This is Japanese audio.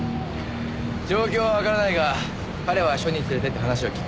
状況はわからないが彼は署に連れてって話を聞く。